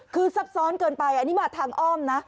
คือซับซ้อนเกินไปอันนี้มาทางอ้อมนะ